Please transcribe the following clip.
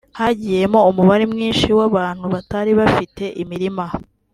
hagiyemo umubare mwinshi w’abantu batari bafite imirima